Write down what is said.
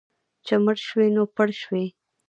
چې مړ شوې، نو پړ شوې.